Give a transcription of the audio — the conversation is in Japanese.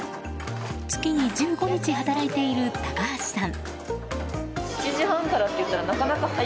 月に１５日働いている高橋さん。